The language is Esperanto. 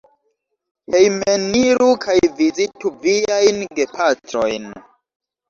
Hejmeniru kaj vizitu viajn gepatrojn.